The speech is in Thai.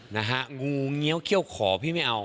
นะฮะงูเงี้ยวเขี้ยวขอพี่ไม่เอา